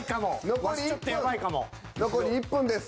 残り１分です。